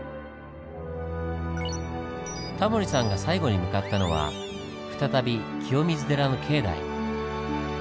タモリさんが最後に向かったのは再び清水寺の境内。